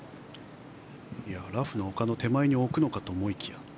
ラフの丘の手前に置くのかと思いきや。